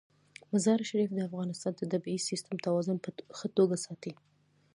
مزارشریف د افغانستان د طبعي سیسټم توازن په ښه توګه ساتي.